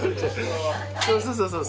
そうそうそうそう。